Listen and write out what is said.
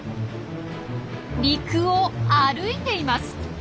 陸を歩いています！